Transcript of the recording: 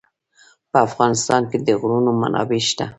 په افغانستان کې د غرونه منابع شته.